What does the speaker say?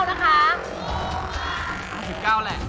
๕๙บาทแหละ